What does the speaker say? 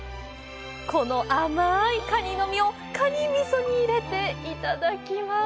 この甘ーいカニの身をカニ味噌に入れて、いただきます！